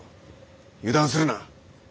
油断するな！